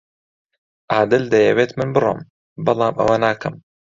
عادل دەیەوێت من بڕۆم، بەڵام ئەوە ناکەم.